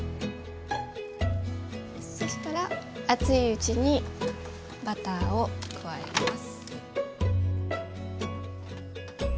そしたら熱いうちにバターを加えます。